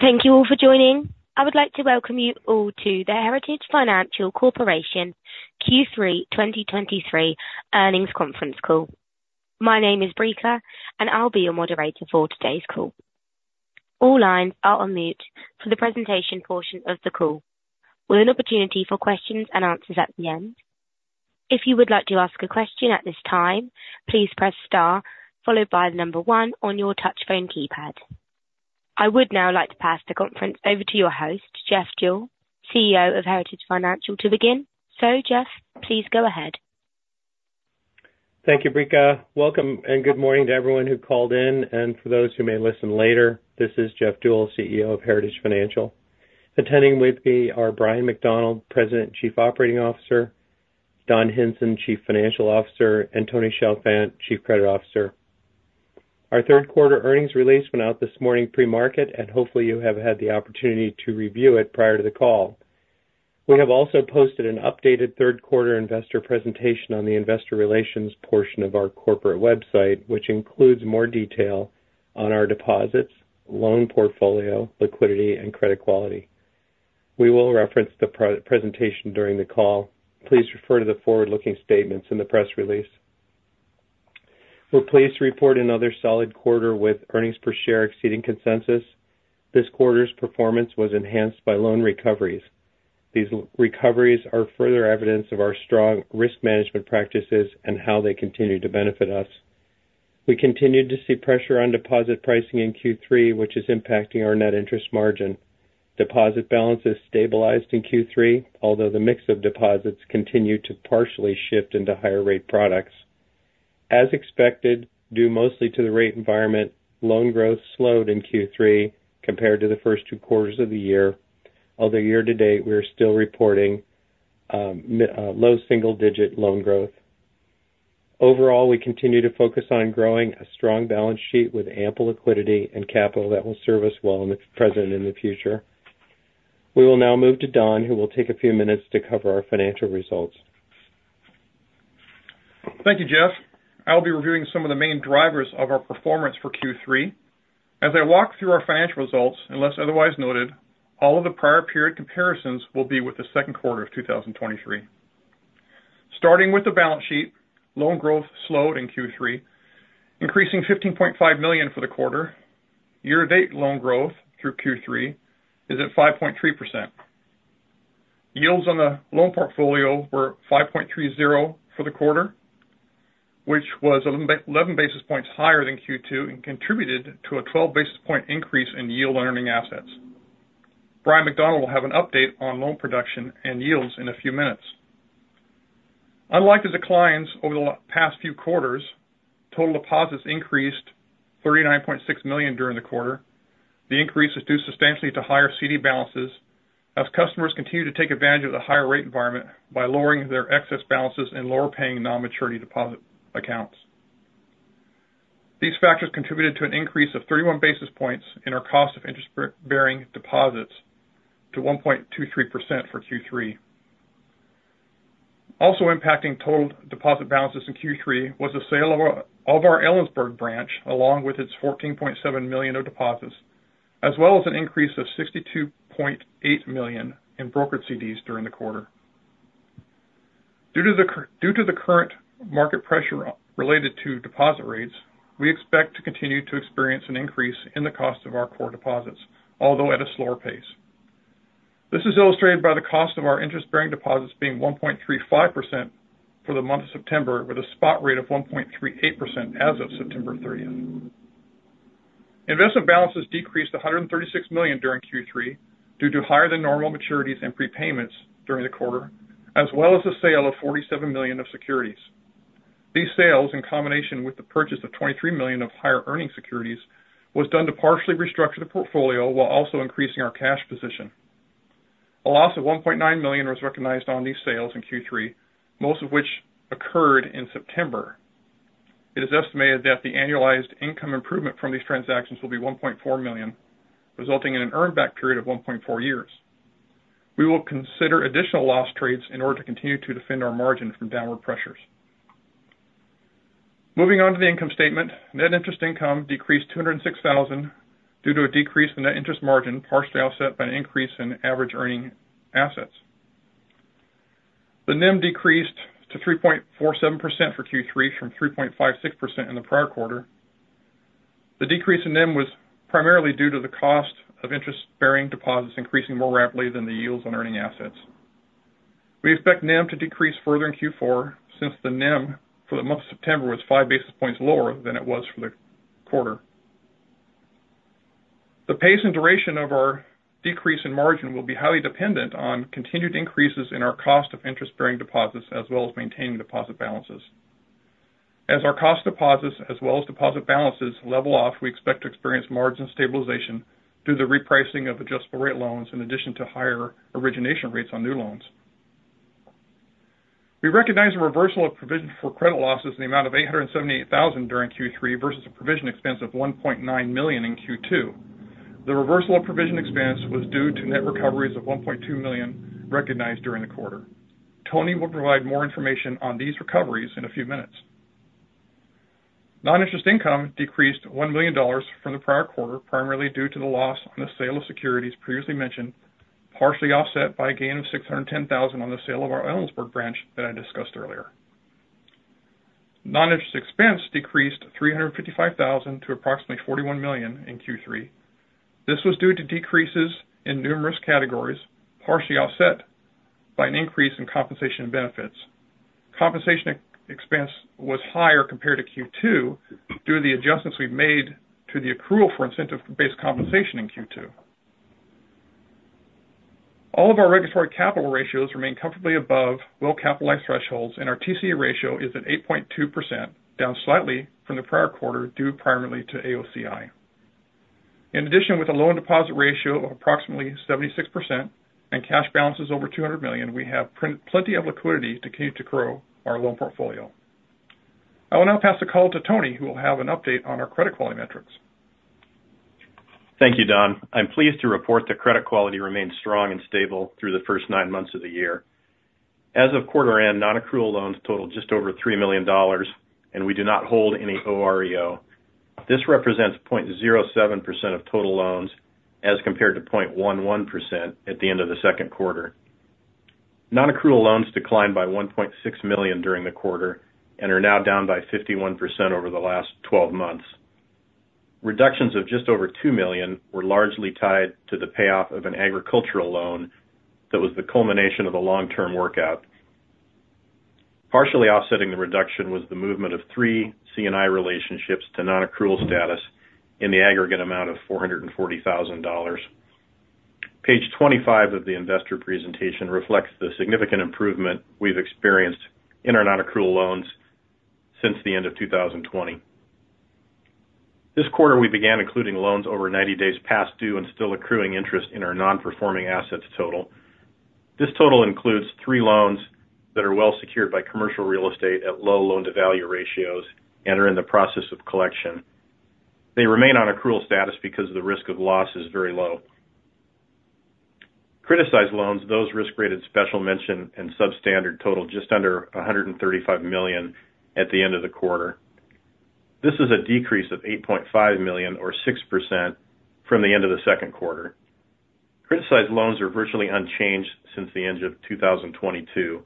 Thank you all for joining. I would like to welcome you all to the heritage financial corporation Q3 2023 earnings conference call. My name is Brica, and I'll be your moderator for today's call. All lines are on mute for the presentation portion of the call, with an opportunity for questions and answers at the end. If you would like to ask a question at this time, please press star followed by the number one on your touchtone keypad. I would now like to pass the conference over to your host, Jeff Deuel, CEO of Heritage Financial, to begin. Jeff, please go ahead. Thank you, Brica. Welcome and good morning to everyone who called in, and for those who may listen later. This is Jeff Deuel, CEO of Heritage Financial. Attending with me are Bryan McDonald, President, Chief Operating Officer, Don Hinson, Chief Financial Officer, and Tony Chalfant, Chief Credit Officer. Our third quarter earnings release went out this morning pre-market, and hopefully you have had the opportunity to review it prior to the call. We have also posted an updated third quarter investor presentation on the investor relations portion of our corporate website, which includes more detail on our deposits, loan portfolio, liquidity, and credit quality. We will reference the presentation during the call. Please refer to the forward-looking statements in the press release. We're pleased to report another solid quarter with earnings per share exceeding consensus. This quarter's performance was enhanced by loan recoveries. These recoveries are further evidence of our strong risk management practices and how they continue to benefit us. We continued to see pressure on deposit pricing in Q3, which is impacting our net interest margin. Deposit balances stabilized in Q3, although the mix of deposits continued to partially shift into higher-rate products. As expected, due mostly to the rate environment, loan growth slowed in Q3 compared to the first two quarters of the year, although year-to-date, we are still reporting low single-digit loan growth. Overall, we continue to focus on growing a strong balance sheet with ample liquidity and capital that will serve us well in the present and the future. We will now move to Don, who will take a few minutes to cover our financial results. Thank you, Jeff. I'll be reviewing some of the main drivers of our performance for Q3. As I walk through our financial results, unless otherwise noted, all of the prior period comparisons will be with the second quarter of 2023. Starting with the balance sheet, loan growth slowed in Q3, increasing $15.5 million for the quarter. Year-to-date loan growth through Q3 is at 5.3%. Yields on the loan portfolio were 5.30 for the quarter, which was 11 basis points higher than Q2 and contributed to a 12 basis point increase in yield on earning assets. Bryan McDonald will have an update on loan production and yields in a few minutes. Unlike the declines over the past few quarters, total deposits increased $39.6 million during the quarter. The increase is due substantially to higher CD balances as customers continue to take advantage of the higher rate environment by lowering their excess balances in lower-paying non-maturity deposit accounts. These factors contributed to an increase of 31 basis points in our cost of interest bearing deposits to 1.23% for Q3. Also impacting total deposit balances in Q3 was the sale of our Ellensburg branch, along with its $14.7 million of deposits, as well as an increase of $62.8 million in brokered CDs during the quarter. Due to the current market pressure related to deposit rates, we expect to continue to experience an increase in the cost of our core deposits, although at a slower pace. This is illustrated by the cost of our interest-bearing deposits being 1.35% for the month of September, with a spot rate of 1.38% as of September 30th. Investment balances decreased to $136 million during Q3 due to higher than normal maturities and prepayments during the quarter, as well as the sale of $47 million of securities. These sales, in combination with the purchase of $23 million of higher earning securities, was done to partially restructure the portfolio while also increasing our cash position. A loss of $1.9 million was recognized on these sales in Q3, most of which occurred in September. It is estimated that the annualized income improvement from these transactions will be $1.4 million, resulting in an earn back period of 1.4 years. We will consider additional loss trades in order to continue to defend our margin from downward pressures. Moving on to the income statement. Net interest income decreased $206 thousand due to a decrease in the interest margin, partially offset by an increase in average earning assets. The NIM decreased to 3.47% for Q3 from 3.56% in the prior quarter. The decrease in NIM was primarily due to the cost of interest-bearing deposits increasing more rapidly than the yields on earning assets. We expect NIM to decrease further in Q4, since the NIM for the month of September was five basis points lower than it was for the quarter. The pace and duration of our decrease in margin will be highly dependent on continued increases in our cost of interest-bearing deposits, as well as maintaining deposit balances. As our cost deposits as well as deposit balances level off, we expect to experience margin stabilization through the repricing of adjustable rate loans, in addition to higher origination rates on new loans. We recognize a reversal of provision for credit losses in the amount of $878,000 during Q3 versus a provision expense of $1.9 million in Q2. The reversal of provision expense was due to net recoveries of $1.2 million recognized during the quarter. Tony will provide more information on these recoveries in a few minutes. Non-interest income decreased $1 million from the prior quarter, primarily due to the loss on the sale of securities previously mentioned, partially offset by a gain of $610,000 on the sale of our Ellensburg branch that I discussed earlier. Non-interest expense decreased $355,000 to approximately $41 million in Q3. This was due to decreases in numerous categories, partially offset by an increase in compensation and benefits. Compensation expense was higher compared to Q2 due to the adjustments we've made to the accrual for incentive-based compensation in Q2. All of our regulatory capital ratios remain comfortably above well-capitalized thresholds, and our TCE ratio is at 8.2%, down slightly from the prior quarter, due primarily to AOCI. In addition, with a loan deposit ratio of approximately 76% and cash balances over $200 million, we have plenty of liquidity to keep to grow our loan portfolio. I will now pass the call to Tony, who will have an update on our credit quality metrics. Thank you, Don. I'm pleased to report that credit quality remains strong and stable through the first nine months of the year. As of quarter end, non-accrual loans totaled just over $3 million, and we do not hold any OREO. This represents 0.07% of total loans, as compared to 0.11% at the end of the second quarter. Non-accrual loans declined by $1.6 million during the quarter and are now down by 51% over the last 12 months. Reductions of just over $2 million were largely tied to the payoff of an agricultural loan that was the culmination of a long-term workout. Partially offsetting the reduction was the movement of three C&I relationships to non-accrual status in the aggregate amount of $440,000. Page 25 of the investor presentation reflects the significant improvement we've experienced in our non-accrual loans since the end of 2020. This quarter, we began including loans over 90 days past due and still accruing interest in our non-performing assets total. This total includes three loans that are well secured by commercial real estate at low loan-to-value ratios and are in the process of collection. They remain on accrual status because the risk of loss is very low. Criticized loans, those risk-rated special mention and substandard, total just under $135 million at the end of the quarter. This is a decrease of $8.5 million, or 6%, from the end of the second quarter. Criticized loans are virtually unchanged since the end of 2022.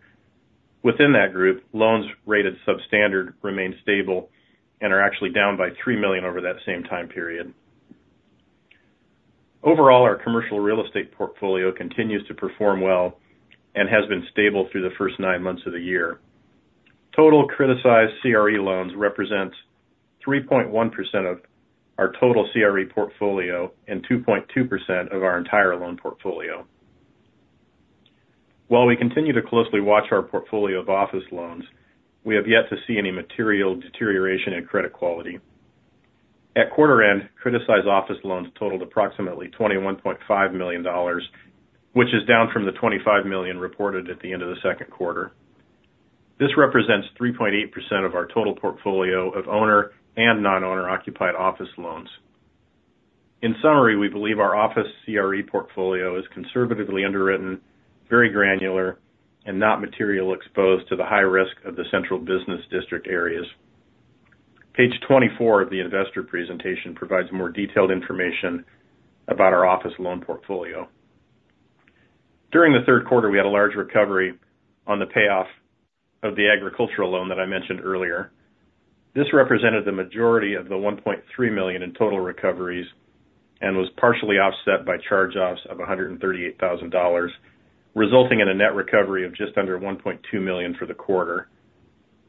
Within that group, loans rated substandard remain stable and are actually down by $3 million over that same time period. Overall, our commercial real estate portfolio continues to perform well and has been stable through the first nine months of the year. Total criticized CRE loans represents 3.1% of our total CRE portfolio and 2.2% of our entire loan portfolio. While we continue to closely watch our portfolio of office loans, we have yet to see any material deterioration in credit quality. At quarter end, criticized office loans totaled approximately $21.5 million, which is down from the $25 million reported at the end of the second quarter. This represents 3.8% of our total portfolio of owner and non-owner-occupied office loans. In summary, we believe our office CRE portfolio is conservatively underwritten, very granular, and not materially exposed to the high risk of the central business district areas. Page 24 of the investor presentation provides more detailed information about our office loan portfolio. During the third quarter, we had a large recovery on the payoff of the agricultural loan that I mentioned earlier. This represented the majority of the $1.3 million in total recoveries and was partially offset by charge-offs of $138,000, resulting in a net recovery of just under $1.2 million for the quarter.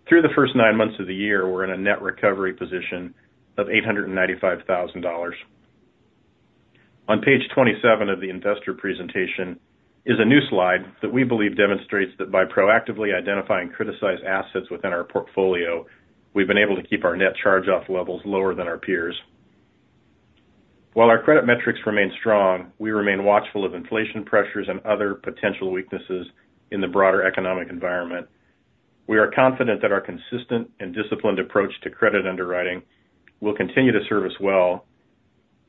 Through the first nine months of the year, we're in a net recovery position of $895,000. On page 27 of the investor presentation is a new slide that we believe demonstrates that by proactively identifying criticized assets within our portfolio, we've been able to keep our net charge-off levels lower than our peers. While our credit metrics remain strong, we remain watchful of inflation pressures and other potential weaknesses in the broader economic environment. We are confident that our consistent and disciplined approach to credit underwriting will continue to serve us well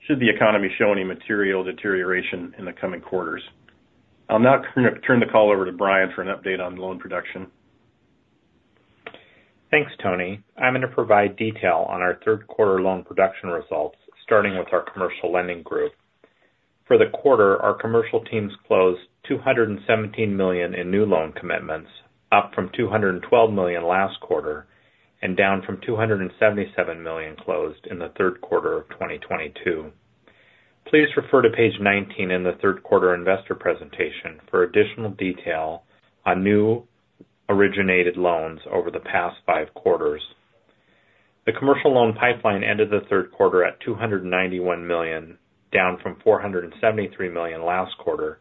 should the economy show any material deterioration in the coming quarters. I'll now turn the call over to Bryan for an update on loan production. Thanks, Tony. I'm going to provide detail on our third quarter loan production results, starting with our commercial lending group. For the quarter, our commercial teams closed $217 million in new loan commitments, up from $212 million last quarter, and down from $277 million closed in the third quarter of 2022. Please refer to page 19 in the third quarter investor presentation for additional detail on new originated loans over the past five quarters. The commercial loan pipeline ended the third quarter at $291 million, down from $473 million last quarter,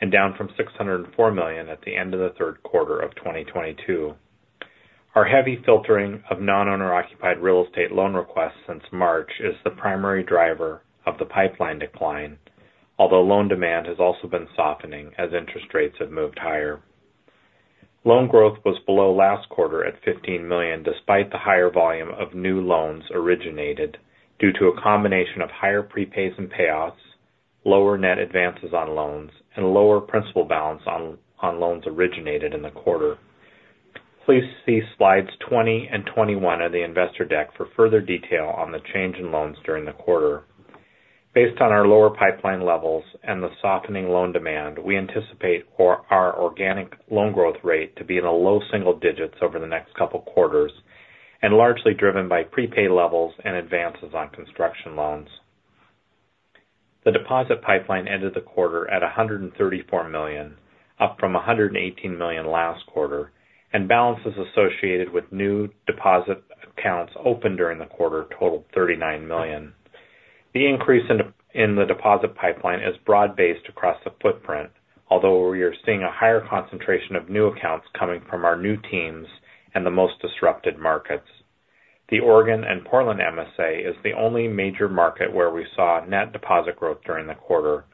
and down from $604 million at the end of the third quarter of 2022. Our heavy filtering of non-owner-occupied real estate loan requests since March is the primary driver of the pipeline decline, although loan demand has also been softening as interest rates have moved higher. Loan growth was below last quarter at $15 million, despite the higher volume of new loans originated, due to a combination of higher prepays and payoffs, lower net advances on loans, and lower principal balance on loans originated in the quarter. Please see slides 20 and 21 of the investor deck for further detail on the change in loans during the quarter. Based on our lower pipeline levels and the softening loan demand, we anticipate for our organic loan growth rate to be in the low single digits over the next couple quarters, and largely driven by prepaid levels and advances on construction loans. The deposit pipeline ended the quarter at $134 million, up from $118 million last quarter, and balances associated with new deposit accounts opened during the quarter totaled $39 million. The increase in the deposit pipeline is broad-based across the footprint, although we are seeing a higher concentration of new accounts coming from our new teams and the most disrupted markets. The Oregon and Portland MSA is the only major market where we saw net deposit growth during the quarter,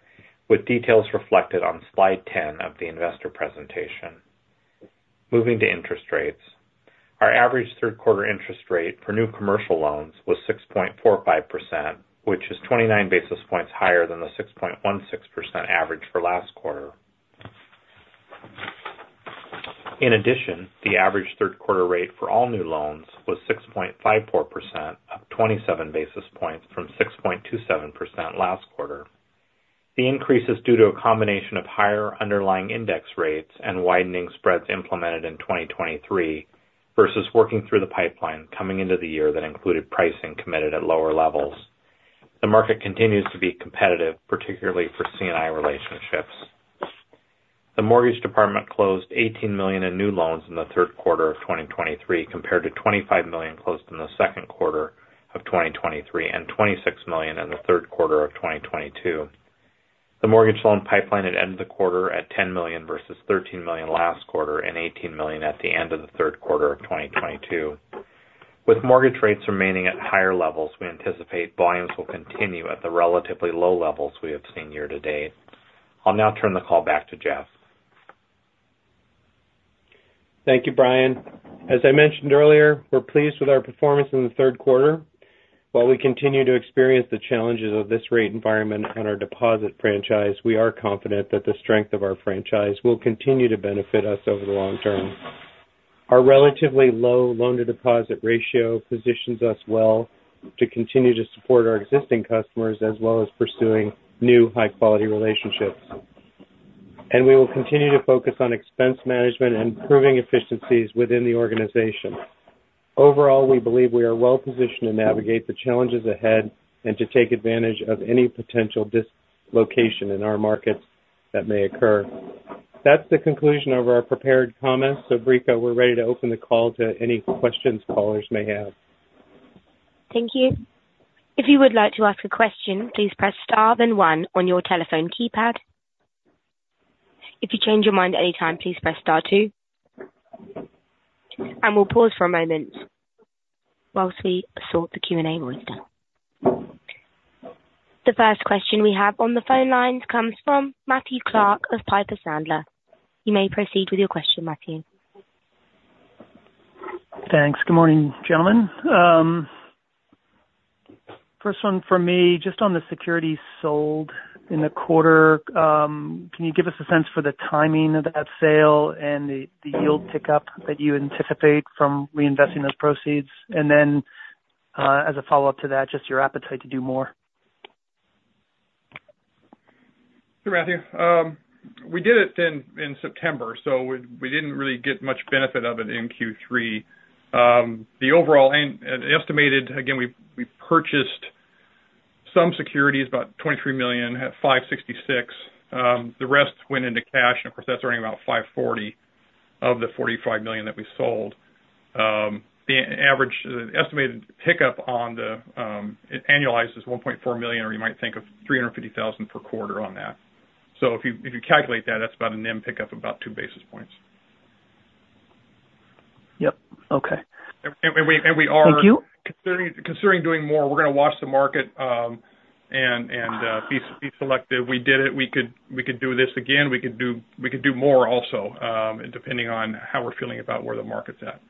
with details reflected on slide 10 of the investor presentation. Moving to interest rates. Our average third quarter interest rate for new commercial loans was 6.45%, which is 29 basis points higher than the 6.16% average for last quarter. In addition, the average third quarter rate for all new loans was 6.54%, up 27 basis points from 6.27% last quarter. The increase is due to a combination of higher underlying index rates and widening spreads implemented in 2023, versus working through the pipeline coming into the year that included pricing committed at lower levels. The market continues to be competitive, particularly for C&I relationships. The mortgage department closed $18 million in new loans in the third quarter of 2023, compared to $25 million closed in the second quarter of 2023, and $26 million in the third quarter of 2022. The mortgage loan pipeline had ended the quarter at $10 million versus $13 million last quarter, and $18 million at the end of the third quarter of 2022. With mortgage rates remaining at higher levels, we anticipate volumes will continue at the relatively low levels we have seen year to date. I'll now turn the call back to Jeff. Thank you, Bryan. As I mentioned earlier, we're pleased with our performance in the third quarter. While we continue to experience the challenges of this rate environment on our deposit franchise, we are confident that the strength of our franchise will continue to benefit us over the long term. Our relatively low loan-to-deposit ratio positions us well to continue to support our existing customers, as well as pursuing new high-quality relationships. We will continue to focus on expense management and improving efficiencies within the organization. Overall, we believe we are well-positioned to navigate the challenges ahead and to take advantage of any potential dislocation in our markets that may occur. That's the conclusion of our prepared comments. Brica, we're ready to open the call to any questions callers may have. Thank you. If you would like to ask a question, please press star then one on your telephone keypad. If you change your mind at any time, please press star two. We'll pause for a moment whilst we sort the Q&A list. The first question we have on the phone lines comes from Matthew Clark of Piper Sandler. You may proceed with your question, Matthew. Thanks. Good morning, gentlemen. First one for me, just on the securities sold in the quarter, can you give us a sense for the timing of that sale and the yield pickup that you anticipate from reinvesting those proceeds? As a follow-up to that, just your appetite to do more? Hey, Matthew, we did it in September, so we didn't really get much benefit of it in Q3. The overall and estimated, again, we purchased some securities, about $23 million, at 5.66. The rest went into cash, and of course, that's earning about 5.40 of the $45 million that we sold. The estimated pickup on the, it annualizes $1.4 million, or you might think of $350,000 per quarter on that. If you calculate that, that's about a NIM pickup of about two basis points. Yep. Okay. stutter. * The third Thank you. Considering doing more, we're gonna watch the market and be selective. We did it. We could do this again, we could do more also, depending on how we're feeling about where the market's at.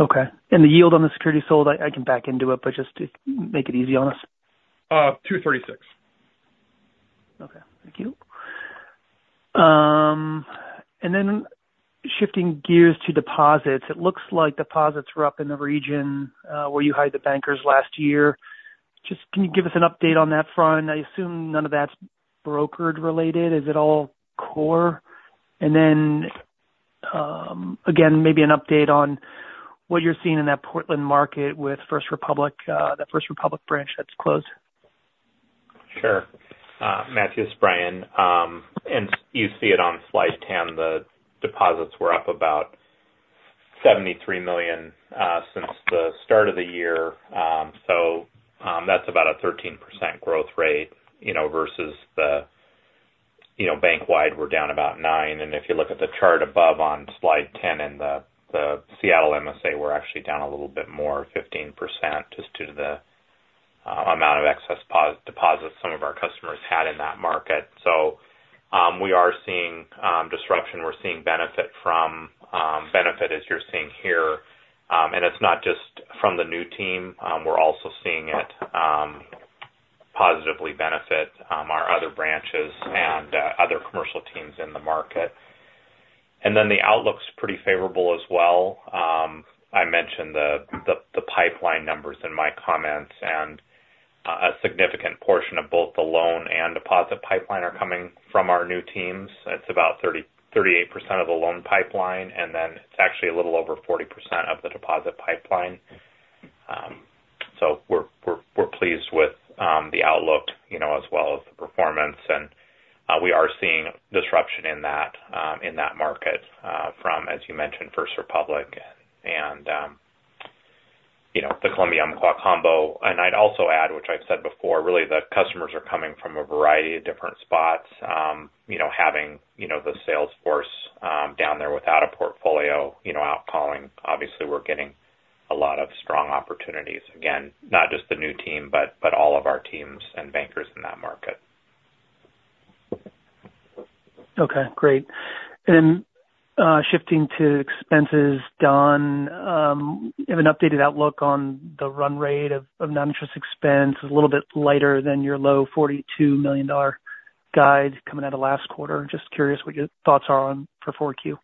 Okay. The yield on the security sold, I can back into it, but just to make it easy on us. 2.36. Okay. Thank you. Shifting gears to deposits, it looks like deposits were up in the region where you hired the bankers last year. Just can you give us an update on that front? I assume none of that's brokered-related. Is it all core? Again, maybe an update on what you're seeing in that Portland market with First Republic, that First Republic branch that's closed? Sure. Matthew, it's Bryan. You see it on slide 10, the deposits were up about $73 million since the start of the year. That's about a 13% growth rate, you know, versus the, you know, bank-wide, we're down about nine. If you look at the chart above on slide 10, in the Seattle MSA, we're actually down a little bit more, 15%, just due to the amount of excess deposits some of our customers had in that market. We are seeing disruption. We're seeing benefit as you're seeing here. It's not just from the new team, we're also seeing it positively benefit our other branches and other commercial teams in the market. The outlook's pretty favorable as well. I mentioned the pipeline numbers in my comments, and a significant portion of both the loan and deposit pipeline are coming from our new teams. It's about 38% of the loan pipeline, and then it's actually a little over 40% of the deposit pipeline. We're pleased with the outlook, you know, as well as the performance. We are seeing disruption in that market from, as you mentioned, First Republic and, you know, the Columbia/Umpqua combo. I'd also add, which I've said before, really, the customers are coming from a variety of different spots. You know, having, you know, the sales force down there without a portfolio, you know, out calling, obviously, we're getting a lot of strong opportunities. Again, not just the new team, but all of our teams and bankers in that market. Okay, great. Shifting to expenses, Don, you have an updated outlook on the run rate of non-interest expense is a little bit lighter than your low $42 million guide coming out of last quarter. Just curious what your thoughts are on for 4Q.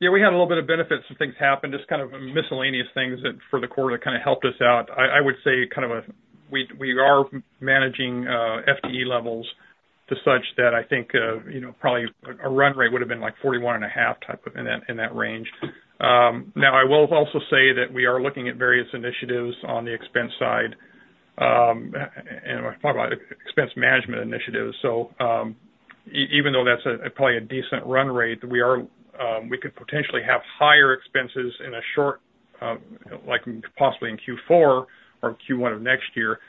Yeah, we had a little bit of benefits and things happen, just kind of miscellaneous things that, for the quarter, kind of helped us out. I would say we are managing FTE levels to such that I think, you know, probably a run rate would've been like $41.5 million type, in that range. Now I will also say that we are looking at various initiatives on the expense side, and when I talk about expense management initiatives. Even though that's a probably a decent run rate, we could potentially have higher expenses in a short, like possibly in Q4 or Q1 of next year,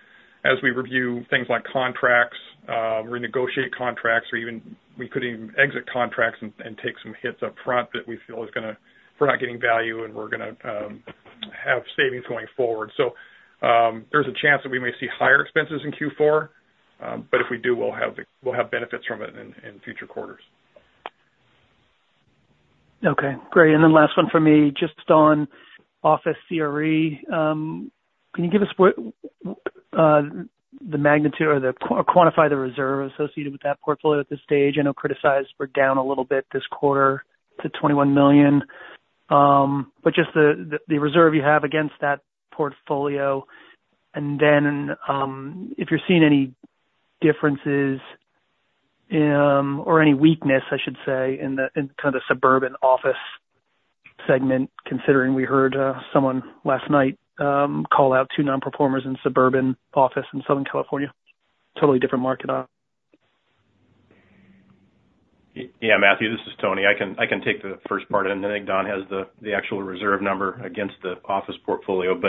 as we review things like contracts, renegotiate contracts, or even we could even exit contracts and take some hits up front that we feel is gonna, we're not getting value, and we're gonna have savings going forward. There's a chance that we may see higher expenses in Q4, but if we do, we'll have benefits from it in future quarters. ` and Yeah, Matthew, this is Tony. I can take the first part, and then I think Don has the actual reserve number against the office portfolio.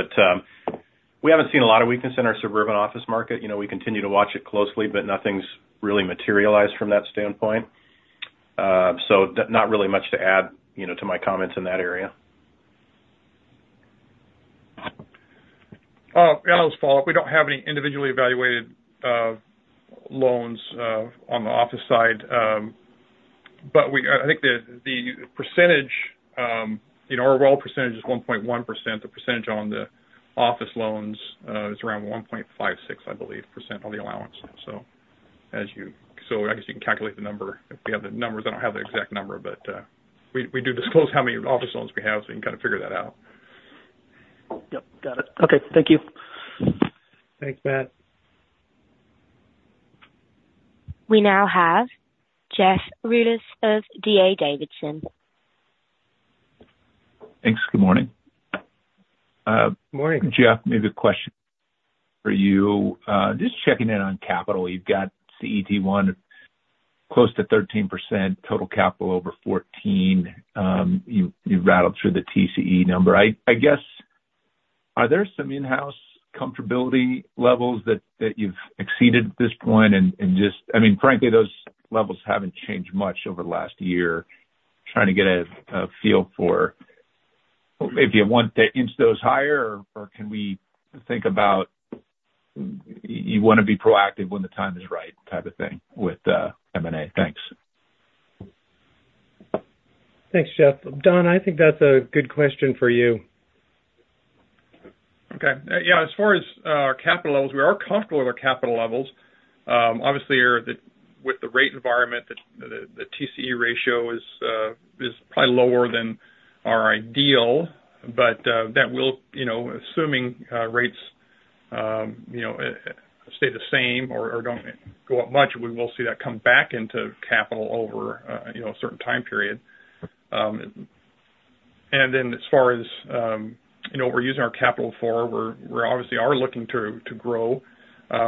We haven't seen a lot of weakness in our suburban office market. You know, we continue to watch it closely, but nothing's really materialized from that standpoint. Not really much to add, you know, to my comments in that area. Yeah, I'll just follow up. We don't have any individually evaluated loans on the office side. I think the percentage, you know, our overall percentage is 1.1%. The percentage on the office loans is around 1.56%, I believe, on the allowance. I guess you can calculate the number. If we have the numbers, I don't have the exact number, but we do disclose how many office loans we have, so you can kind of figure that out. Yep. Got it. Okay. Thank you. Thanks, Matt. We now have Jeff Rulis of D.A. Davidson. Thanks. Good morning. Uh, morning. Jeff, maybe a question for you. Just checking in on capital. You've got CET1 close to 13%, total capital over 14. You rattled through the TCE number. I guess, are there some in-house comfortability levels that you've exceeded at this point? Just, I mean, frankly, those levels haven't changed much over the last year. Trying to get a feel for maybe you want to inch those higher, or can we think about you wanna be proactive when the time is right, type of thing with M&A? Thanks. Thanks, Jeff. Don, I think that's a good question for you. Okay. Yeah, as far as capital levels, we are comfortable with our capital levels. Obviously, here with the rate environment, the TCE ratio is probably lower than our ideal. That will, you know, assuming rates, you know, stay the same or don't go up much, we will see that come back into capital over, you know, a certain time period. As far as, you know, we're using our capital for, we're obviously are looking to grow.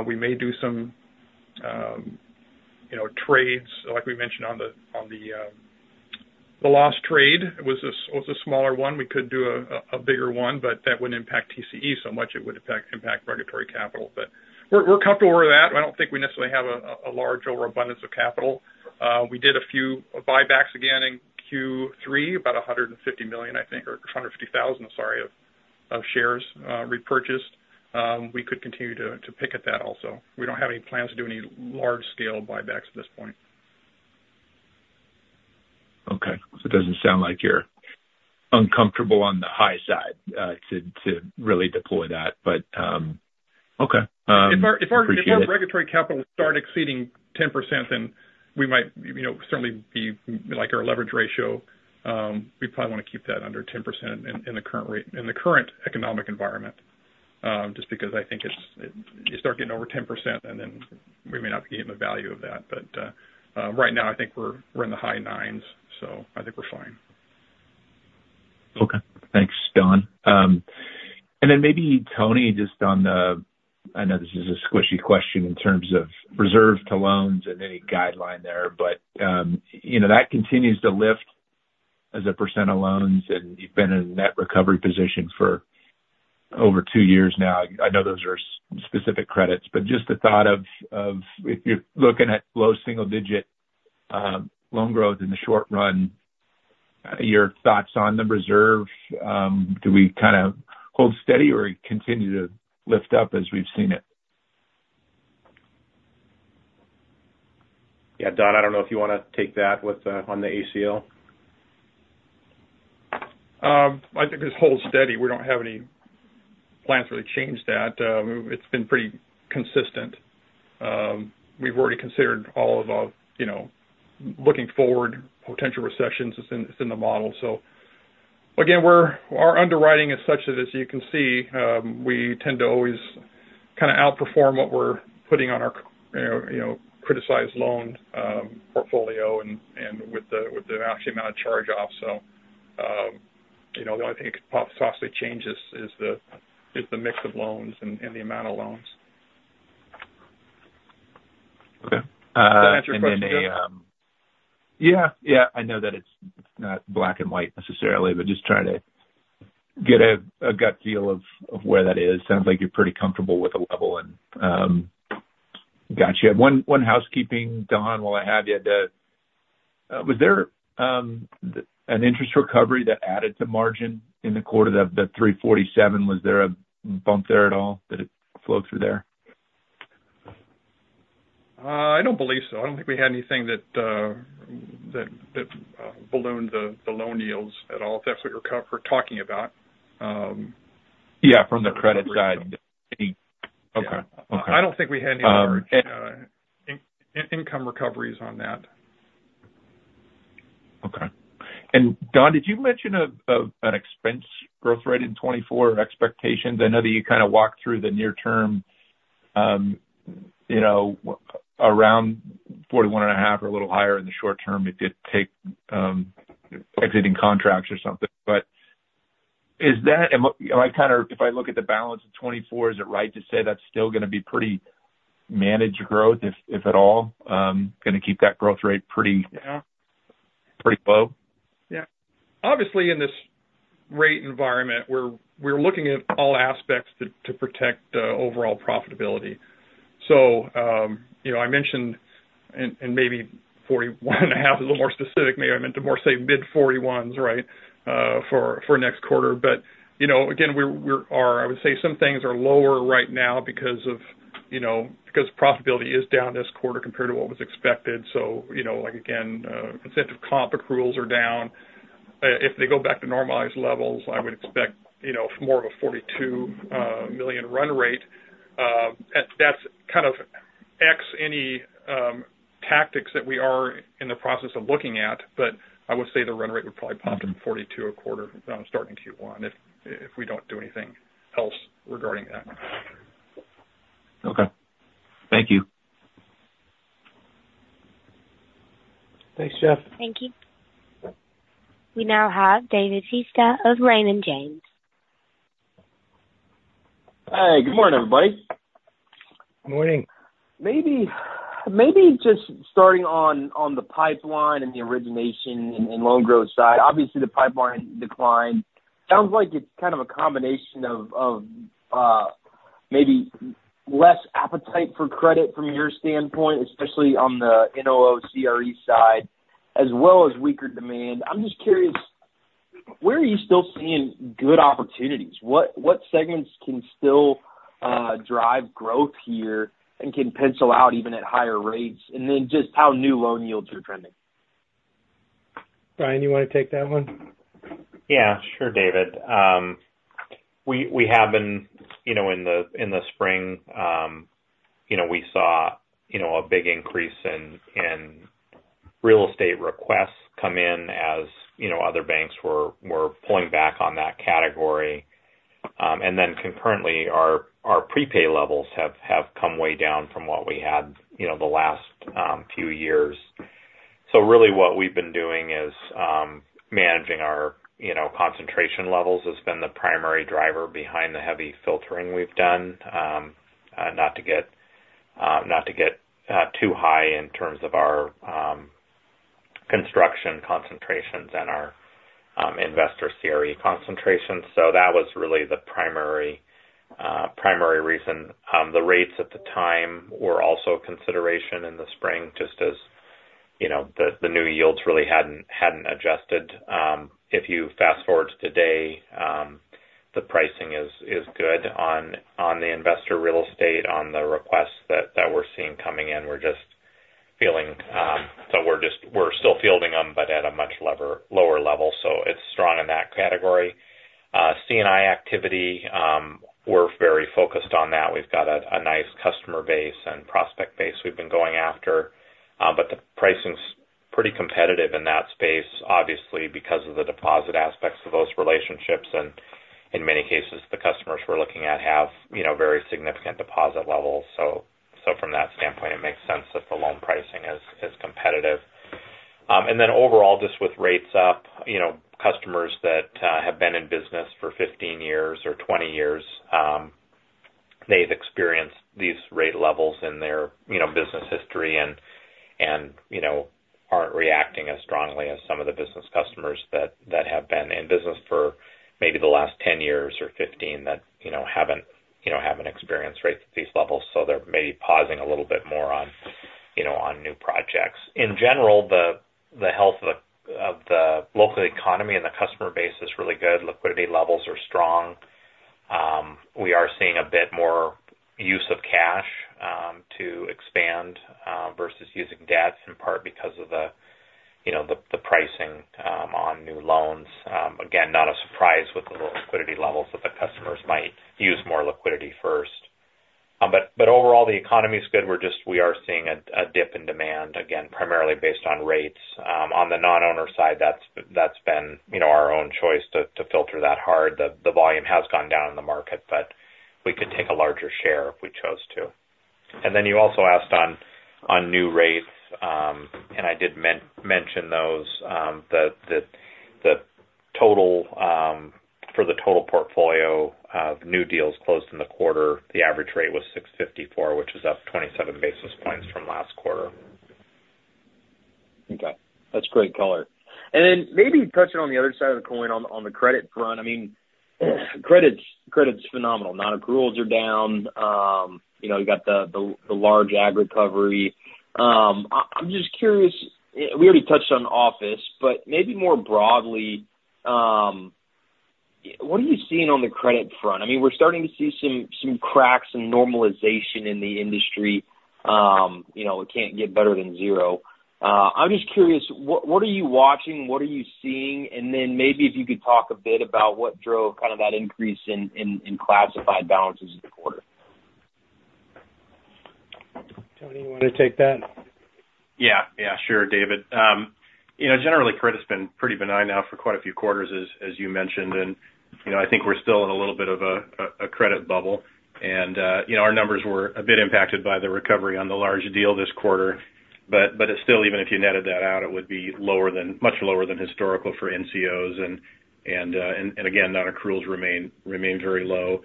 We may do some, you know, trades, like we mentioned on the loss trade. It was a smaller one. We could do a bigger one, but that wouldn't impact TCE so much. It would impact regulatory capital, but we're comfortable with that. I don't think we necessarily have a large overabundance of capital. We did a few buybacks again in Q3, about 150 million, I think, or 150,000, sorry, of shares repurchased, we could continue to pick at that also. We don't have any plans to do any large-scale buybacks at this point. Okay. It doesn't sound like you're uncomfortable on the high side to really deploy that, but okay. Appreciate it. If our regulatory capital start exceeding 10%, then we might, you know, certainly be like our leverage ratio. We probably wanna keep that under 10% in the current rate, in the current economic environment. Just because I think you start getting over 10%, and then we may not be getting the value of that. Right now, I think we're in the high nines, so I think we're fine. Okay. Thanks, Don. Maybe Tony, I know this is a squishy question in terms of reserve to loans and any guideline there, but, you know, that continues to lift as a % of loans, and you've been in a net recovery position for over two years now. I know those are specific credits, but just the thought of if you're looking at low single-digit loan growth in the short run, your thoughts on the reserve, do we kind of hold steady or continue to lift up as we've seen it? Yeah, Don, I don't know if you want to take that on the ACL. I think it's hold steady. We don't have any plans to really change that. It's been pretty consistent. We've already considered all of, you know, looking forward, potential recessions. It's in the model. Again, our underwriting is such that, as you can see, we tend to always kind of outperform what we're putting on our, you know, criticized loan portfolio and with the actual amount of charge off. You know, the only thing it possibly changes is the mix of loans and the amount of loans. Okay. Does that answer your question, Jeff? Yeah. Yeah, I know that it's not black and white necessarily, but just trying to get a gut feel of where that is. Sounds like you're pretty comfortable with the level and got you. One housekeeping, Don, while I have you, was there an interest recovery that added to margin in the quarter, the 3.47? Was there a bump there at all that it flowed through there? I don't believe so. I don't think we had anything that ballooned the loan yields at all, if that's what you're talking about. Yeah, from the credit side. Okay. Okay. I don't think we had any large income recoveries on that. Okay. Don, did you mention an expense growth rate in 2024 expectations? I know that you kind of walked through the near term, you know, around $41.5 or a little higher in the short term if you take exiting contracts or something. Is that... Am I kind of? If I look at the balance of 2024, is it right to say that's still going to be pretty managed growth, if at all? Going to keep that growth rate pretty? Yeah. Pretty low? Yeah. Obviously, in this rate environment, we're looking at all aspects to protect overall profitability. You know, I mentioned and maybe $41.5, a little more specific, maybe I meant to more say mid-$41s, right, for next quarter. You know, again, I would say some things are lower right now because, you know, profitability is down this quarter compared to what was expected. You know, like, again, incentive comp accruals are down. If they go back to normalized levels, I would expect, you know, more of a $42 million run rate. That's kind of ex any tactics that we are in the process of looking at, but I would say the run rate would probably pop to $42 a quarter starting Q1 if we don't do anything else regarding that. Okay. Thank you. Thanks, Jeff. Thank you. We now have David Feaster of Raymond James. Hi. Good morning, everybody. Morning. Maybe just starting on the pipeline and the origination and loan growth side. Obviously, the pipeline declined. Sounds like it's kind of a combination of maybe less appetite for credit from your standpoint, especially on the NOOCRE side, as well as weaker demand. I'm just curious, where are you still seeing good opportunities? What segments can still drive growth here and can pencil out even at higher rates? Just how new loan yields are trending. Bryan, you want to take that one? Yeah, sure, David. We have been, you know, in the spring, you know, we saw, you know, a big increase in real estate requests come in as, you know, other banks were pulling back on that category. Then concurrently, our prepay levels have come way down from what we had, you know, the last few years. Really what we've been doing is managing our, you know, concentration levels has been the primary driver behind the heavy filtering we've done. Not to get too high in terms of our construction concentrations and our investor CRE concentrations. That was really the primary reason. The rates at the time were also a consideration in the spring, just as... You know, the new yields really hadn't adjusted. If you fast-forward to today, the pricing is good on the investor real estate, on the requests that we're seeing coming in. We're still fielding them, but at a much lower level, so it's strong in that category. C&I activity, we're very focused on that. We've got a nice customer base and prospect base we've been going after, but the pricing's pretty competitive in that space, obviously, because of the deposit aspects of those relationships. In many cases, the customers we're looking at have, you know, very significant deposit levels. From that standpoint, it makes sense that the loan pricing is competitive. Overall, just with rates up, you know, customers that have been in business for 15 years or 20 years, they've experienced these rate levels in their, you know, business history and, you know, aren't reacting as strongly as some of the business customers that have been in business for maybe the last 10 years or 15, that, you know, haven't experienced rates at these levels, so they're maybe pausing a little bit more, you know, on new projects. In general, the health of the local economy and the customer base is really good. Liquidity levels are strong. We are seeing a bit more use of cash to expand versus using debts, in part because of the, you know, pricing on new loans. Again, not a surprise with the low liquidity levels that the customers might use more liquidity first. Overall, the economy is good. We are seeing a dip in demand, again, primarily based on rates. On the non-owner side, that's been, you know, our own choice to filter that hard. The volume has gone down in the market, but we could take a larger share if we chose to. You also asked on new rates, and I did mention those, that the total for the total portfolio of new deals closed in the quarter, the average rate was 6.54, which is up 27 basis points from last quarter. This is correct. *Wait, "I mean, credit's phenomenal."* Is "I mean" a starter conjunction? No. *Wait, "You know, you got the large ag recovery."* Is "You know" a starter conjunction? No. *Wait, "I'm just curious, we already touched on office, but maybe more broadly, what are you seeing on the credit front?"* Is "I'm just curious" a starter conjunction? No. *Wait, "I mean, we're starting to see some cracks and normalization in the industry."* Is "I mean" a starter conjunction? No. *Wait, "You know, it can't get better than zero."* Is "You know" a starter conjunction? No. *Wait, "I'm just curious Tony, you wanna take that? Yeah. Yeah, sure, David. You know, generally, credit's been pretty benign now for quite a few quarters, as you mentioned, and, you know, I think we're still in a little bit of a credit bubble. You know, our numbers were a bit impacted by the recovery on the large deal this quarter. But it's still, even if you netted that out, it would be much lower than historical for NCOs. Again, non-accruals remain very low.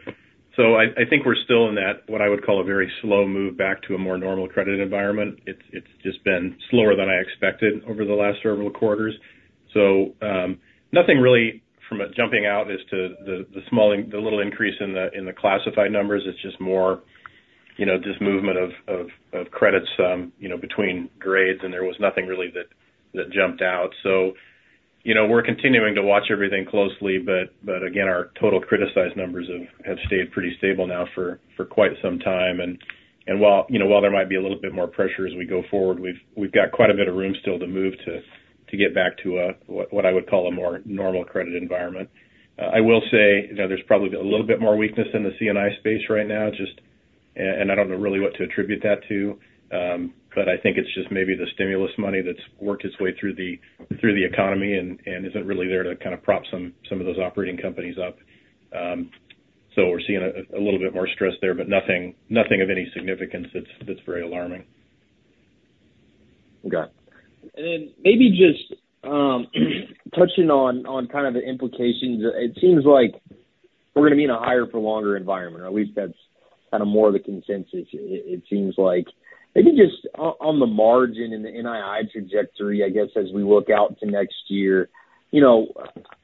I think we're still in that, what I would call a very slow move back to a more normal credit environment. It's just been slower than I expected over the last several quarters. Nothing really jumping out as to the little increase in the classified numbers. It's just more, you know, movement of credits, you know, between grades, and there was nothing really that jumped out. You know, we're continuing to watch everything closely, but again, our total criticized numbers have stayed pretty stable now for quite some time. While, you know, there might be a little bit more pressure as we go forward, we've got quite a bit of room still to move to get back to what I would call a more normal credit environment. I will say, you know, there's probably a little bit more weakness in the C&I space right now, just... I don't know really what to attribute that to, but I think it's just maybe the stimulus money that's worked its way through the economy and isn't really there to kind of prop some of those operating companies up. We're seeing a little bit more stress there, but nothing of any significance that's very alarming. Okay. Maybe just touching on kind of the implications. It seems like we're gonna be in a higher-for-longer environment, or at least that's kind of more the consensus, it seems like. Maybe just on the margin and the NII trajectory, I guess, as we look out to next year, you know,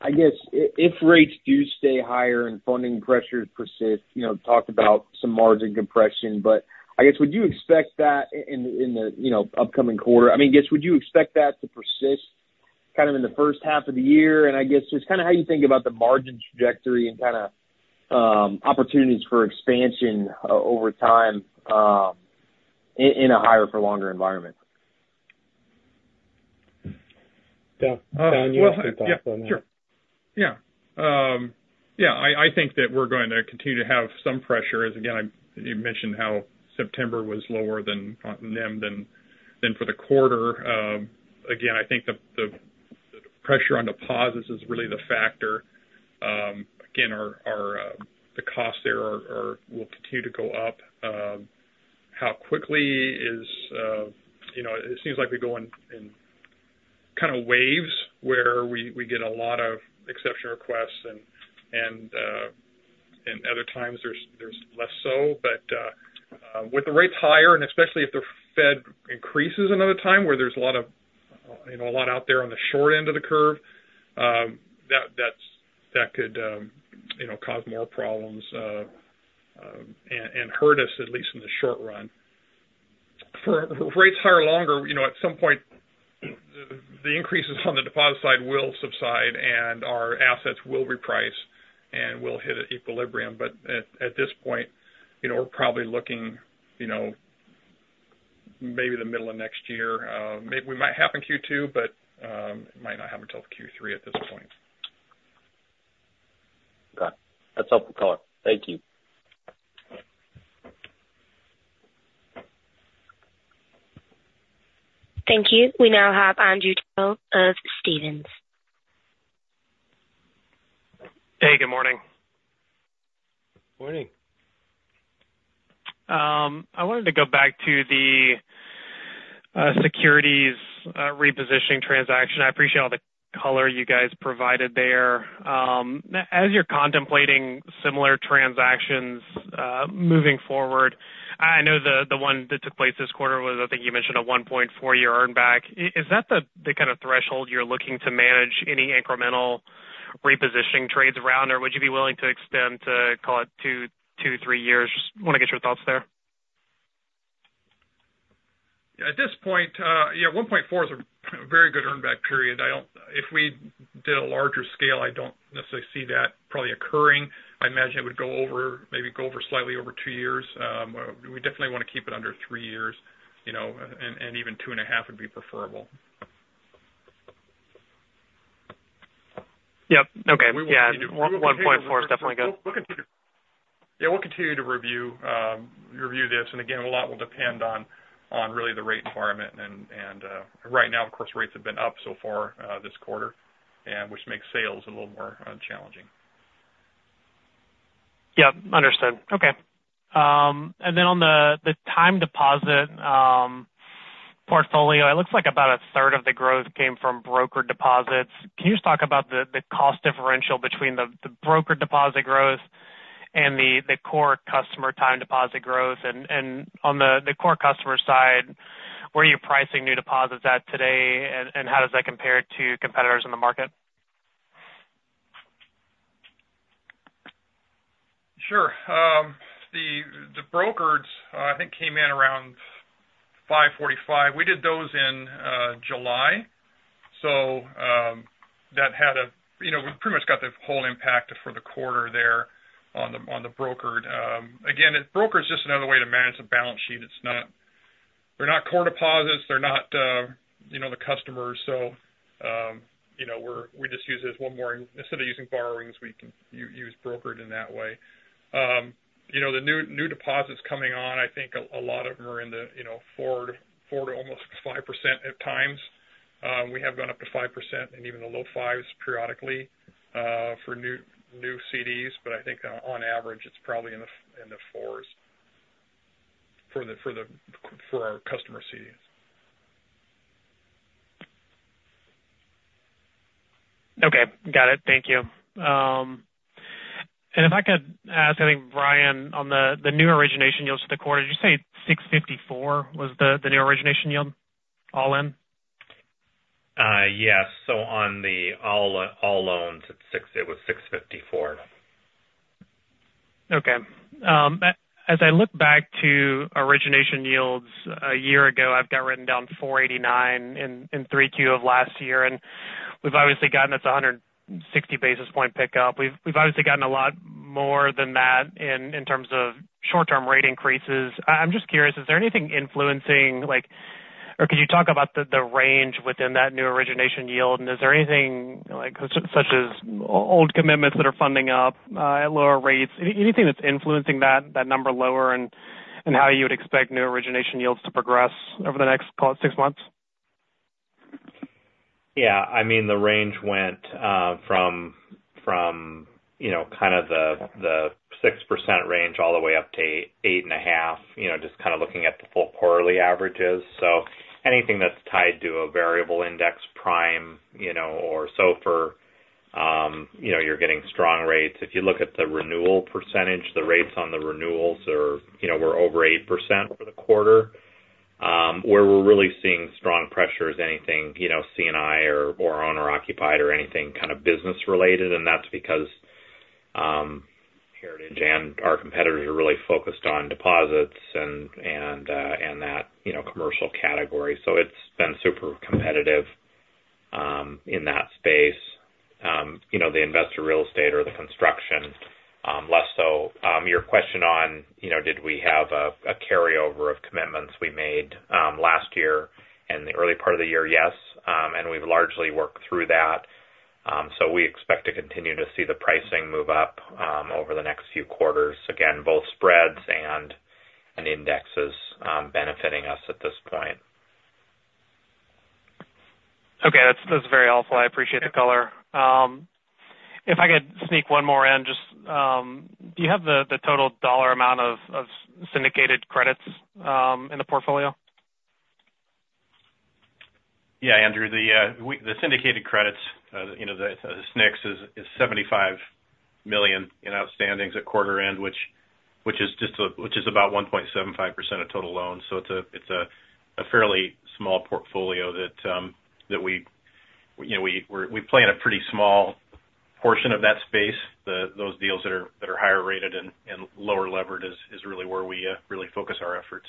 I guess if rates do stay higher and funding pressures persist, you know, talk about some margin compression, but I guess, would you expect that in the, you know, upcoming quarter? I mean, I guess, would you expect that to persist kind of in the first half of the year? I guess just kind of how you think about the margin trajectory and kind of opportunities for expansion over time in a higher-for-longer environment? Yeah. Yeah, sure. Yeah. Yeah, I think that we're going to continue to have some pressure, as again, you mentioned how September was lower than for the quarter. Again, I think the pressure on deposits is really the factor. Again, the costs there will continue to go up. How quickly is, you know... It seems like we go in kind of waves, where we get a lot of exception requests, and other times, there's less so. With the rates higher, and especially if the Fed increases another time, where there's a lot of, you know, a lot out there on the short end of the curve, that's- That could, you know, cause more problems and hurt us, at least in the short run. For rates higher or longer, you know, at some point, the increases on the deposit side will subside, and our assets will reprice, and we'll hit an equilibrium. At this point, you know, we're probably looking, you know, maybe the middle of next year. Maybe we might have in Q2, but it might not happen till Q3 at this point. Got it. That's all for color. Thank you. Thank you. We now have Andrew Terrell of Stephens. Hey, good morning. Morning. I wanted to go back to the securities repositioning transaction. I appreciate all the color you guys provided there. As you're contemplating similar transactions moving forward, I know the one that took place this quarter was, I think you mentioned a 1.4-year earn back. Is that the kind of threshold you're looking to manage any incremental repositioning trades around? Would you be willing to extend to call it 2-3 years? Just wanna get your thoughts there. At this point, yeah, 1.4 is a very good earn back period. If we did a larger scale, I don't necessarily see that probably occurring. I imagine it would go over, maybe go over slightly over two years. We definitely want to keep it under three years, you know, and even two and a half would be preferable. Yep. Okay. We will- Yeah, 1.4 is definitely good. We'll continue. Yeah, we'll continue to review this. Again, a lot will depend on really the rate environment. Right now, of course, rates have been up so far this quarter, and which makes sales a little more challenging. Yep, understood. Okay. On the time deposit portfolio, it looks like about a third of the growth came from broker deposits. Can you just talk about the cost differential between the broker deposit growth and the core customer time deposit growth? On the core customer side, where are you pricing new deposits at today, and how does that compare to competitors in the market? Sure. The brokers I think came in around 5.45. We did those in July. That had a-- you know, we pretty much got the whole impact for the quarter there on the brokered. Again, a broker is just another way to manage the balance sheet. It's not-- They're not core deposits, they're not, you know, the customers. You know, we just use it as one more, instead of using borrowings, we can use brokered in that way. You know, the new deposits coming on, I think a lot of them are in the 4%-almost 5% at times. We have gone up to 5% and even the low fives periodically for new CDs, but I think on average, it's probably in the fours for our customer CDs. Okay. Got it. Thank you. If I could ask, I think, Bryan, on the new origination yields for the quarter, did you say 6.54% was the new origination yield, all in? Yes. On the all loans, it was 6.54. Okay. As I look back to origination yields a year ago, I've got written down 4.89 in 3Q of last year, and we've obviously gotten this 160 basis point pickup. We've obviously gotten a lot more than that in terms of short-term rate increases. I'm just curious, is there anything influencing, like... Could you talk about the range within that new origination yield? Is there anything like, such as old commitments that are funding up at lower rates? Anything that's influencing that number lower and how you would expect new origination yields to progress over the next, call it, six months? Yeah. I mean, the range went from, you know, kind of the 6% range all the way up to 8.5%, you know, just kind of looking at the full quarterly averages. Anything that's tied to a variable index Prime, you know, or SOFR, you know, you're getting strong rates. If you look at the renewal percentage, the rates on the renewals are, you know, were over 8% for the quarter. Where we're really seeing strong pressure is anything, you know, C&I or owner-occupied or anything kind of business-related, and that's because Heritage and our competitors are really focused on deposits and that, you know, commercial category, so it's been super competitive in that space. You know, the investor real estate or the construction, less so. Your question on, you know, did we have a carryover of commitments we made last year and the early part of the year? Yes, and we've largely worked through that. We expect to continue to see the pricing move up over the next few quarters. Again, both spreads and indexes benefiting us at this point. Okay. That's very helpful. I appreciate the color. If I could sneak one more in, just do you have the total dollar amount of syndicated credits in the portfolio? Yeah, Andrew, the syndicated credits, you know, the SNICs is 75. $ million in outstandings at quarter end, which is about 1.75% of total loans. It is a fairly small portfolio that we, you know, we play in a pretty small portion of that space. Those deals that are higher rated and lower levered is really where we really focus our efforts.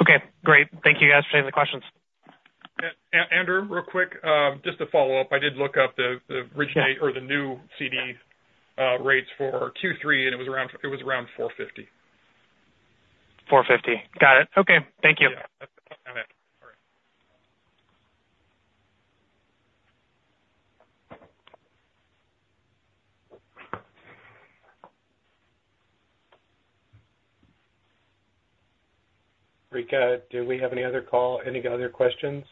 Okay, great. Thank you guys for taking the questions. Andrew, real quick, just to follow up, I did look up the originate or the new CD rates for Q3, and it was around 4.50. 450. Got it. Okay. Thank you. Yeah. All right. Brica, do we have any other questions?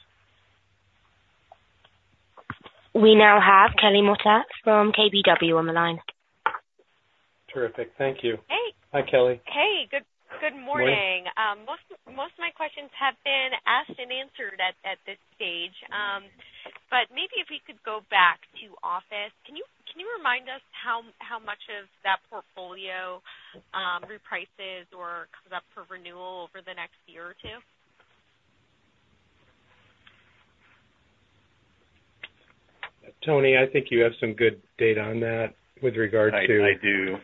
We now have Kelly Motta from KBW on the line. Terrific. Thank you. Hey. Hi, Kelly. Hey, good, good morning. Morning. Most of my questions have been asked and answered at this stage. Maybe if you could go back to office, can you remind us how much of that portfolio reprices or comes up for renewal over the next year or two? Tony, I think you have some good data on that with regard to. I do.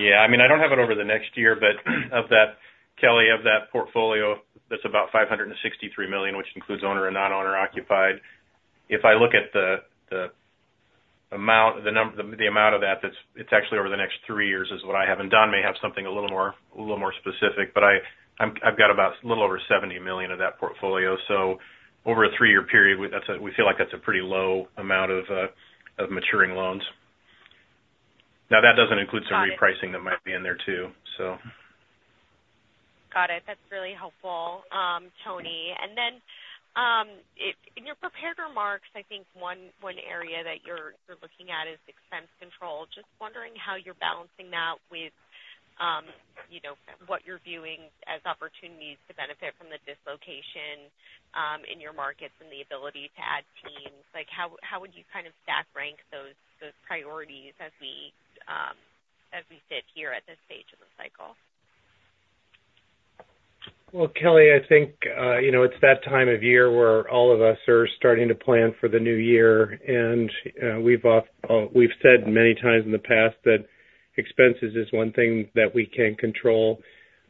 Yeah, I mean, I don't have it over the next year, but of that, Kelly, of that portfolio, that's about $563 million, which includes owner and non-owner-occupied. If I look at the amount of that, it's actually over the next three years is what I have. Don may have something a little more specific, but I've got about a little over $70 million of that portfolio. Over a three-year period, we feel like that's a pretty low amount of maturing loans. Now, that doesn't include some repricing that might be in there, too, so. Got it. That's really helpful, Tony. In your prepared remarks, I think one area that you're looking at is expense control. Just wondering how you're balancing that with, you know, what you're viewing as opportunities to benefit from the dislocation in your markets and the ability to add teams. Like, how would you kind of stack rank those priorities as we sit here at this stage of the cycle? Well, Kelly, I think, you know, it's that time of year where all of us are starting to plan for the new year. We've said many times in the past that expenses is one thing that we can control.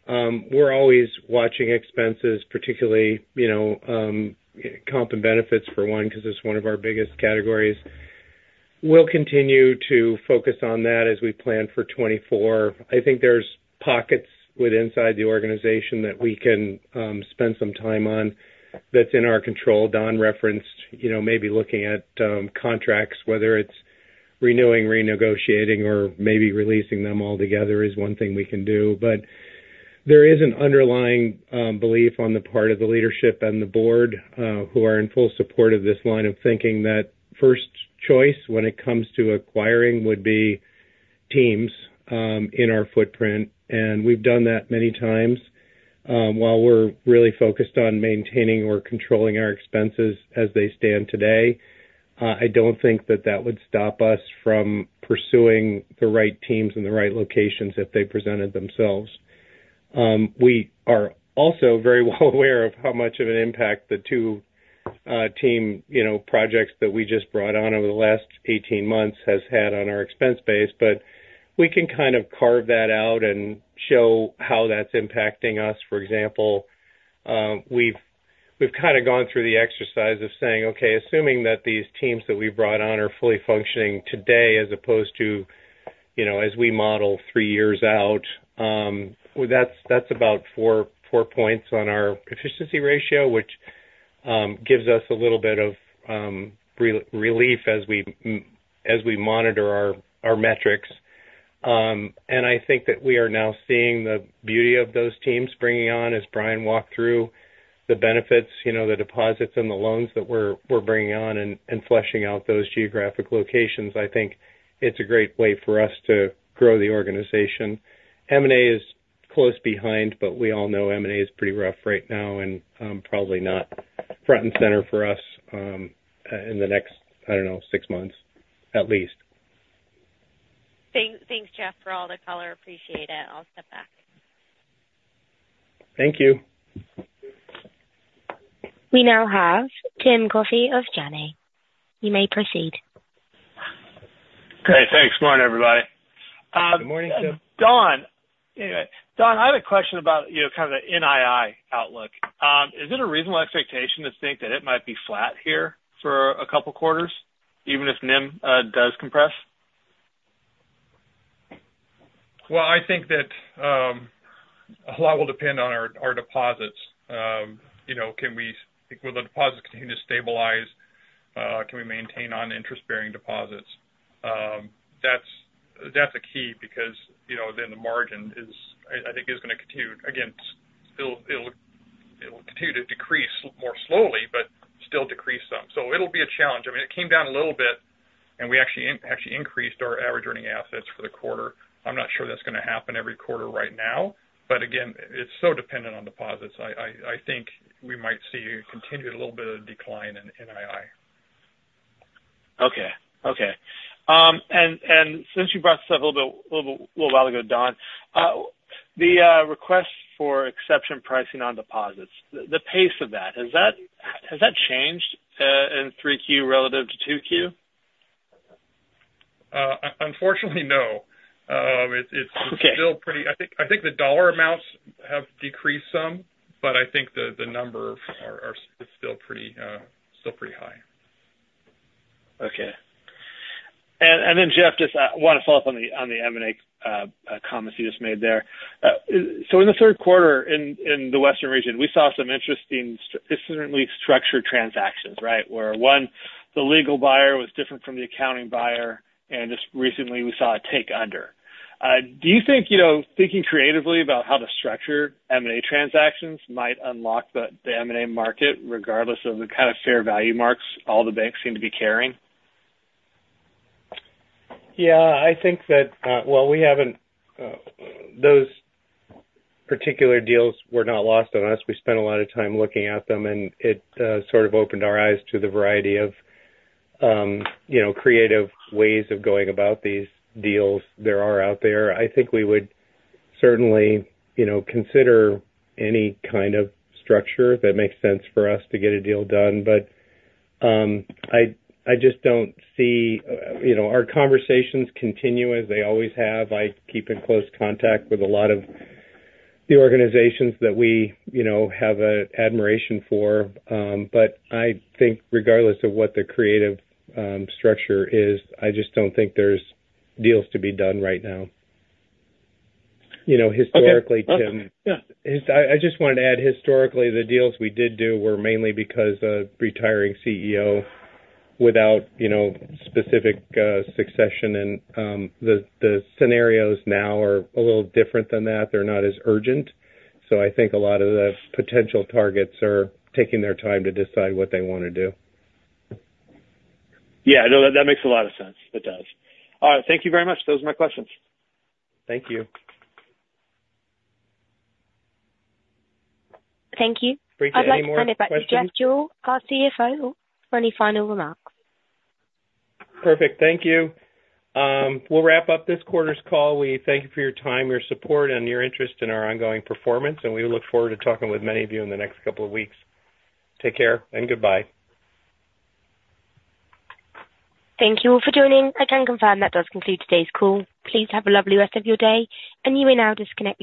We're always watching expenses, particularly, you know, comp and benefits for one, because it's one of our biggest categories. We'll continue to focus on that as we plan for 2024. I think there's pockets with inside the organization that we can spend some time on that's in our control. Don referenced, you know, maybe looking at contracts, whether it's renewing, renegotiating or maybe releasing them altogether is one thing we can do. There is an underlying belief on the part of the leadership and the Board, who are in full support of this line of thinking, that first choice when it comes to acquiring would be teams in our footprint, and we've done that many times. While we're really focused on maintaining or controlling our expenses as they stand today, I don't think that that would stop us from pursuing the right teams in the right locations if they presented themselves. We are also very well aware of how much of an impact the two team, you know, projects that we just brought on over the last 18 months has had on our expense base, but we can kind of carve that out and show how that's impacting us. "Spell out numbers 1-9 in running text; use numerals for 10 and above." I'll use "three" and "four". If the rule is there, it's there for a reason. *Wait, "3 years" and "4 points".* Let's look at the "numeric form" rule again. "You MUST convert all spoken numbers into numeric form while preserving the original meaning and context (e.g., 'twenty-five' → 25, 'one hundred and fifty' → 150)." This rule is about *how* to present numbers (numeric form vs word form). The "1-9" rule is about *which* numbers to present in which form. So, "all spoken numbers" should b M&A is close behind, but we all know M&A is pretty rough right now and probably not front and center for us in the next, I don't know, six months at least. Thanks. Thanks, Jeff, for all the color. Appreciate it. I'll step back. Thank you. We now have Tim Coffey of Janney. You may proceed. Great. Thanks. Morning, everybody. Good morning, Tim. Don, anyway, Don, I have a question about, you know, kind of the NII outlook. Is it a reasonable expectation to think that it might be flat here for a couple quarters, even if NIM does compress? Well, I think that a lot will depend on our deposits. You know, will the deposits continue to stabilize? Can we maintain on interest-bearing deposits? That's a key because, you know, then the margin is, I think, is gonna continue. Again, still it'll continue to decrease more slowly, but still decrease some. So it'll be a challenge. I mean, it came down a little bit. We actually increased our average earning assets for the quarter. I'm not sure that's going to happen every quarter right now, but again, it's so dependent on deposits. I think we might see continued a little bit of decline in NII. Okay. Okay. Since you brought this up a little bit, a little while ago, Don, the request for exception pricing on deposits, the pace of that, has that changed in 3Q relative to 2Q? Unfortunately, no. It's- Okay. I think the dollar amounts have decreased some, but I think the number are still pretty high. Okay. Jeff, just want to follow up on the M&A comments you just made there. In the third quarter, in the Western region, we saw some interestingly structured transactions, right? Where one, the legal buyer was different from the accounting buyer, and just recently we saw a take under. Do you think, you know, thinking creatively about how to structure M&A transactions might unlock the M&A market, regardless of the kind of fair value marks all the banks seem to be carrying? Yeah, I think that, well, we haven't, those particular deals were not lost on us. We spent a lot of time looking at them, and it sort of opened our eyes to the variety of, you know, creative ways of going about these deals there are out there. I think we would certainly, you know, consider any kind of structure that makes sense for us to get a deal done. But I just don't see.. You know, our conversations continue as they always have. I keep in close contact with a lot of the organizations that we, you know, have a admiration for, but I think regardless of what the creative structure is, I just don't think there's deals to be done right now. You know, historically, Tim- Okay. I just wanted to add, historically, the deals we did do were mainly because of retiring CEO without, you know, specific succession. The scenarios now are a little different than that. They're not as urgent. I think a lot of the potential targets are taking their time to decide what they want to do. Yeah, no, that makes a lot of sense. It does. All right. Thank you very much. Those are my questions. Thank you. Thank you. Are there any more questions? I'd like to hand it back to Jeff Deuel, our CEO, for any final remarks. Perfect. Thank you. We'll wrap up this quarter's call. We thank you for your time, your support, and your interest in our ongoing performance, and we look forward to talking with many of you in the next couple of weeks. Take care and goodbye. Thank you all for joining. I can confirm that does conclude today's call. Please have a lovely rest of your day, and you may now disconnect your phones.